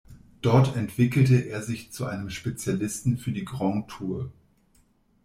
Dort entwickelte er sich zu einem Spezialisten für die „Grand Tours“.